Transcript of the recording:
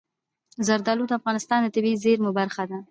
زردالو د افغانستان د طبیعي زیرمو برخه ده.